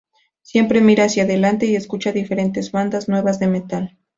Siempre mira hacia adelante y escucha diferentes bandas nuevas de metal.